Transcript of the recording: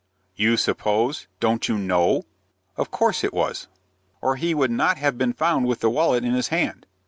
"You suppose? Don't you know?" "Of course it was, or he would not have been found with the wallet in his hand."